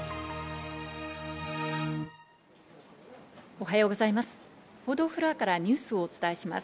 おはようございます。